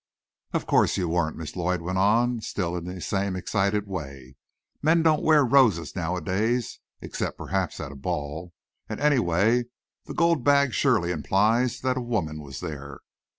"Of course you weren't!" Miss Lloyd went on, still in the same excited way. "Men don't wear roses nowadays, except perhaps at a ball; and, anyway, the gold bag surely implies that a woman was there!"